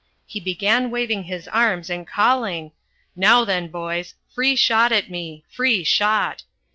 He began waving his arms and calling, "Now, then, boys, free shot at me! free shot!"